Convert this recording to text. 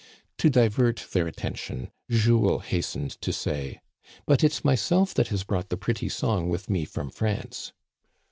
To divert their attention, Jules hastened to say :" But it's myself that has brought the pretty song with me from France."